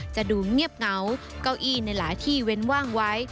จะดูเงียบเหงาเก้าอี้ในหลายที่เว้นว่างไว้